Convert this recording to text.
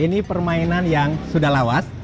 ini permainan yang sudah lawas